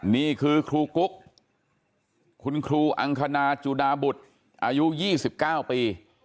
นี่คือครูกุ๊กคุณครูอังคณาจุดาบุตรอายุ๒๙ปี